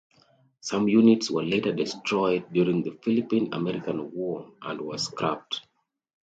Some units were later destroyed during the Philippine–American War and were scrapped.